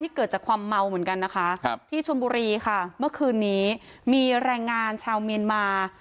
เกิดจากความเมาเหมือนกันนะคะครับที่ชนบุรีค่ะเมื่อคืนนี้มีแรงงานชาวเมียนมา